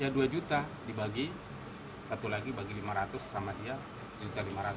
ya dua juta dibagi satu lagi bagi lima ratus sama dia lima ratus